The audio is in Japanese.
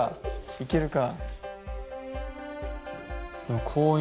いけるか。